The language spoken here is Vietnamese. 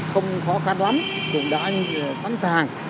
không có khát lắm cũng đã sẵn sàng